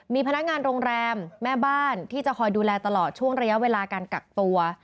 มีพนักงานโรงแรมแม่บ้านที่จะคอยดูแลตลอดช่วงระยะเวลาการกักตัว